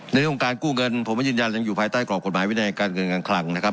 เรื่องของการกู้เงินผมยืนยันยังอยู่ภายใต้กรอบกฎหมายวินัยการเงินการคลังนะครับ